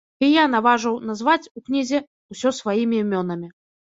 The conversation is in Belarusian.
І я наважыў назваць у кнізе ўсё сваімі імёнамі.